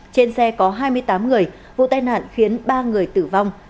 trên xe có hai mươi tám người vụ tai nạn khiến ba người tử vong